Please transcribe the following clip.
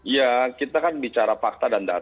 ya kita kan bicara pak